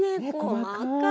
細かい。